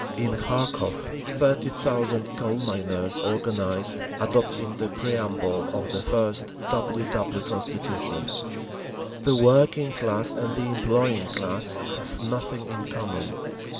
In Kharkov thirty thousand coal miners organised, adopting the preamble of the I. W. W. constitution: "The working class and the employing class have nothing in common."